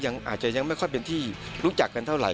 อาจจะยังไม่ค่อยเป็นที่รู้จักกันเท่าไห